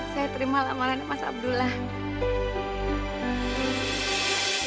saya terima amalan mas abdullah